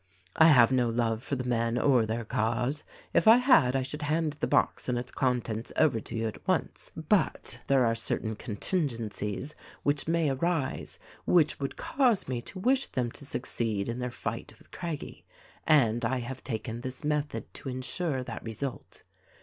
I have no love for the men or their cause ; if I had, I should hand the box and its contents over to you at once; but there are certain contingencies, which may arise, which would cause me to wish them to succeed in their fight with Craggie — and I have taken this method to insure that result.